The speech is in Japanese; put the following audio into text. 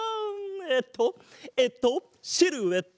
えっとえっとシルエット！